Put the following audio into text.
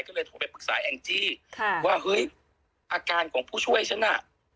ก็เลยโทรไปปรึกษาแองจี้ค่ะว่าเฮ้ยอาการของผู้ช่วยฉันน่ะ